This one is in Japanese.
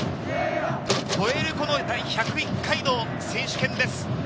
超える１０１回の選手権です。